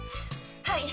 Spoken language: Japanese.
はい！